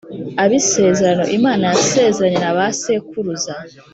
Ab isezerano imana yasezeranye na ba sekuruza